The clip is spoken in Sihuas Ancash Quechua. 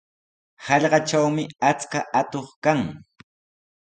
Hallqatrawmi achka atuq kan.